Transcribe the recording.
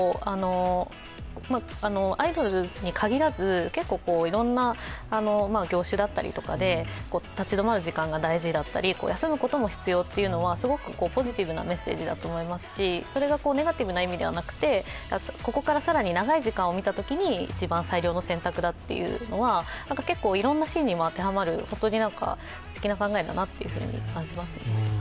アイドルに限らずいろいろな業種だったりとかで立ち止まる時間が大事だったり休むことも必要というのはすごくポジティブなメッセージだと思いますし、それがネガティブな意味ではなくて、ここから更に長い時間を見たときに一番最良の選択だというのは結構いろんなシーンにも当てはまるすてきな考えだなと感じますよね。